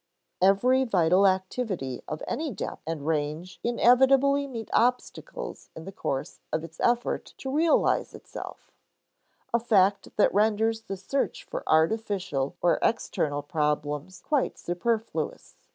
Every vital activity of any depth and range inevitably meets obstacles in the course of its effort to realize itself a fact that renders the search for artificial or external problems quite superfluous.